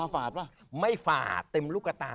ฝาดป่ะไม่ฝาดเต็มลูกกระตา